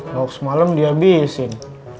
loh semalem dihabisin